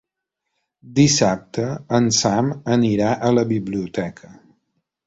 Dissabte en Sam anirà a la biblioteca.